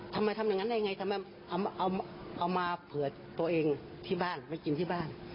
ทำอย่างนั้นได้ไงทำไมเอามาเผื่อตัวเองที่บ้านไปกินที่บ้าน